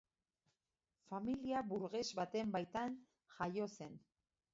Familia burges baten baitan jaio zen.